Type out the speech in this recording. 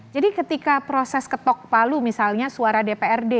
jadi ketika proses ketok palu misalnya suara dprd